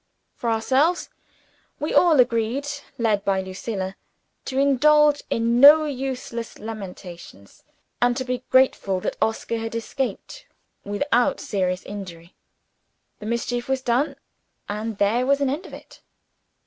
For ourselves, we all agreed led by Lucilla to indulge in no useless lamentations, and to be grateful that Oscar had escaped without serious injury. The mischief was done; and there was an end of it.